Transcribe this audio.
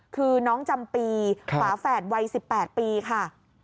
คือน้องจำปีฝาแฝดวัย๑๘ปีค่ะ